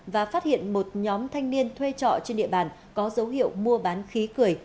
và phát hiện một nhóm thanh niên thuê trọ trên địa bàn có dấu hiệu mua bán khí cười